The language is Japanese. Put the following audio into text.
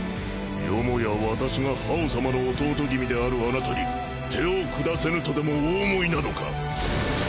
よもや私が葉王様の弟君であるあなたに手を下せぬとでもお思いなのか。